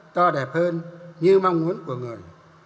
to đẹp hơn như mong muốn của người